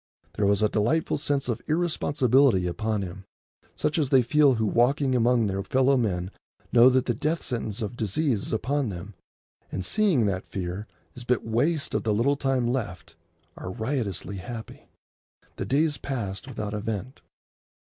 There was a delightful sense of irresponsibility upon him, such as they feel who walking among their fellow men know that the death sentence of disease is upon them, and, seeing that fear is but waste of the little time left, are riotously happy. The days passed without event.